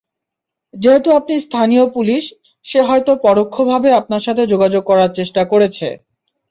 যেহেতু আপনি স্থানীয় পুলিশ, সে হয়তো পরোক্ষভাবে আপনার সাথে যোগাযোগ করার চেষ্টা করেছে।